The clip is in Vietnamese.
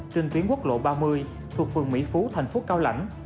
trên tuyến quốc lộ ba mươi thuộc phường mỹ phú thành phố cao lãnh